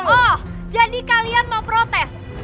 oh jadi kalian mau protes